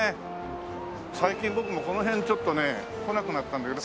最近僕もこの辺ちょっとね来なくなったんだけど。